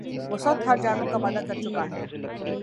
وہ سخت ہرجانوں کا وعدہ کر چُکا ہے